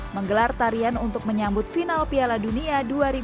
menggelar tarian untuk menyambut final piala dunia dua ribu dua puluh